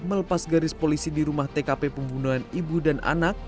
melepas garis polisi di rumah tkp pembunuhan ibu dan anak